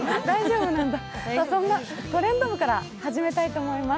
そんな「トレンド部」から始めたいと思います。